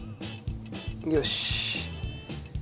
よし。